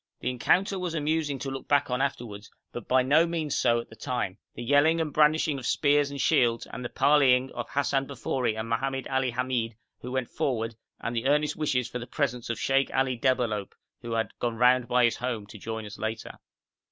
The encounter was amusing to look back on afterwards, but by no means so at the time; the yelling and brandishing of spears and shields and the parleying of Hassan Bafori and Mohammed Ali Hamid, who went forward, and the earnest wishes for the presence of Sheikh Ali Debalohp, who had gone round by his home to join us later.